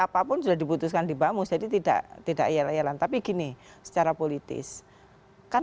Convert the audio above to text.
apapun sudah diputuskan di bamus jadi tidak tidak yel yelan tapi gini secara politis kan